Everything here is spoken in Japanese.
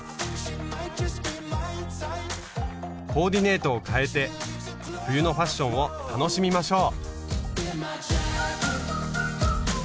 コーディネートを変えて冬のファッションを楽しみましょう！